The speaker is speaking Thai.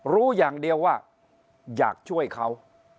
รู้อย่างเดียวว่าอยากช่วยเขา